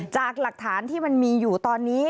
จากหลักฐานที่มันมีอยู่ตอนนี้